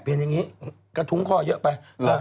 อย่างนี้กระทุ้งคอเยอะไป